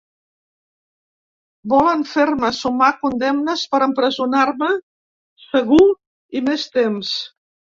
Volen fer-me sumar condemnes per empresonar-me segur i més temps.